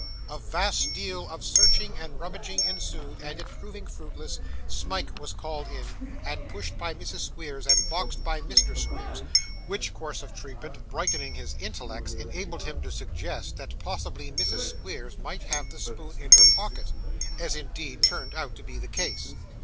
A vast deal of searching and rummaging ensued, and it proving fruitless, Smike was called in, and pushed by Mrs. Squeers, and boxed by Mr. Squeers; which course of treatment brightening his intellects, enabled him to suggest that possibly Mrs. Squeers might have the spoon in her pocket, as indeed turned out to be the case.